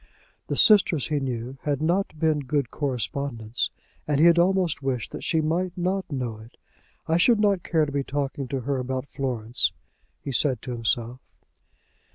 The sisters, he knew, had not been good correspondents; and he almost wished that she might not know it. "I should not care to be talking to her about Florence," he said to himself.